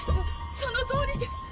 そのとおりです。